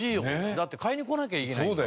だって買いに来なきゃいけない。